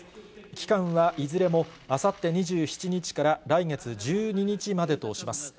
期間はいずれも、あさって２７日から来月１２日までとします。